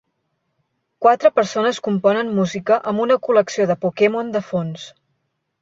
Quatre persones componen música amb una col·lecció de Pokémon de fons.